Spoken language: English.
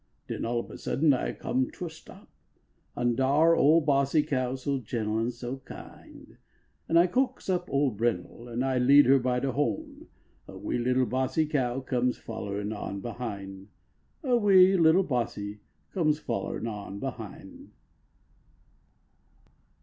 Den all ob a sudden I come to a stop. An dar ole bossie cow so gentle an so kyind ; An I coax up ole brindle, an I lead her by de ho n A wee little bossie cow comes follerin on behin , A wee little bossie comes follerin on behin .